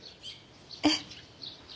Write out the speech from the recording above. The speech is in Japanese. えっ。